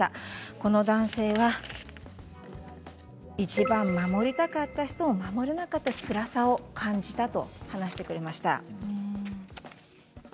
この男性は、いちばん守りたかった人を守れなかったつらさを感じたと話してくれました。